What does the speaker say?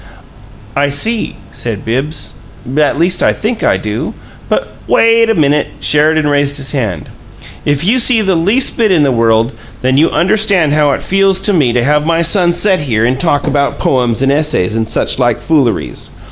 "I see," said Bibbs. "At least I think I do. But " "Wait a minute!" Sheridan raised his hand. "If you see the least bit in the world, then you understand how it feels to me to have my son set here and talk about 'poems and essays' and such like fooleries.